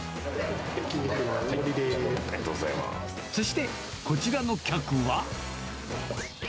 そしてこちらの客は。